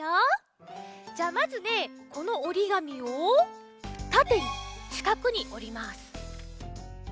じゃあまずねこのおりがみをたてにしかくにおります。